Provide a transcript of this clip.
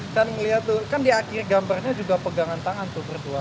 melihat tuh kan di akhir gambarnya juga pegangan tangan tuh berdua